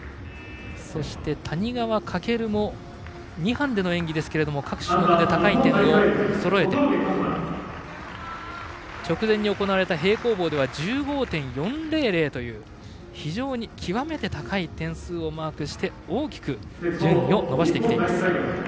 そして谷川翔も２班での演技ですが各種目で高い点をそろえて直前に行われた平行棒では１５．４００という極めて高い点数をマークして大きく順位を伸ばしてきています。